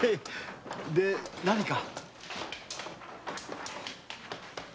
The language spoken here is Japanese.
で何か？